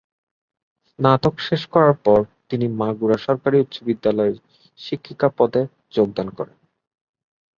স্নাতক শেষ করার পর তিনি মাগুরা সরকারি উচ্চ বিদ্যালয়ে শিক্ষিকা পদে যোগদান করেন।